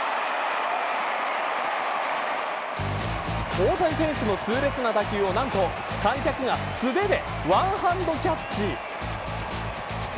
大谷選手の痛烈な打球をなんと観客が素手でワンハンドキャッチ。